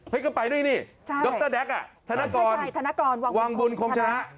เฮ้ยก็ไปด้วยนี่ดรแด็กซ์ธนากรวางบุญคงชนะ